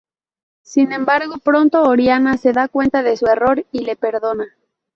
Sin embargo, pronto Oriana se da cuenta de su error y le perdona.